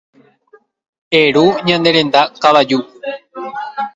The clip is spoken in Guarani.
Eru ñande renda kavaju.